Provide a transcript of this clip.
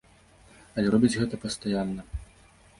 Але робяць гэта пастаянна.